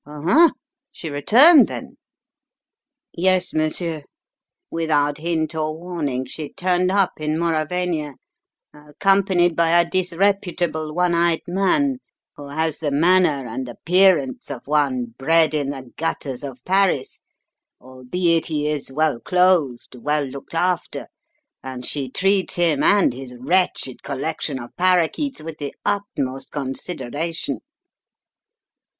"Oho! She returned, then?" "Yes, monsieur. Without hint or warning she turned up in Mauravania, accompanied by a disreputable one eyed man who has the manner and appearance of one bred in the gutters of Paris, albeit he is well clothed, well looked after, and she treats him and his wretched collection of parakeets with the utmost consideration."